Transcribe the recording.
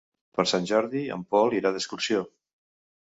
Per Sant Jordi en Pol irà d'excursió.